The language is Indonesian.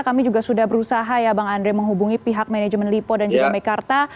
kami juga sudah berusaha ya bang andre menghubungi pihak manajemen lipo dan juga mekarta